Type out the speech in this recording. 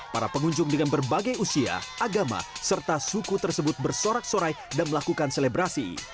para pengunjung dengan berbagai usia agama serta suku tersebut bersorak sorai dan melakukan selebrasi